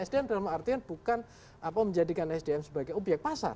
sdm dalam artian bukan menjadikan sdm sebagai obyek pasar